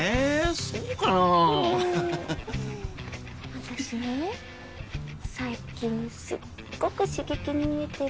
私ね最近すっごく刺激に飢えてるの。